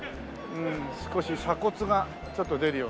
少し鎖骨がちょっと出るようになってきたね。